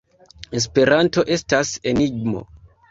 Esperanto estas enigmo.